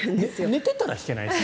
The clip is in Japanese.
寝てたら弾けないです。